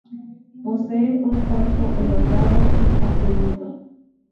Posee un cuerpo elongado y comprimido.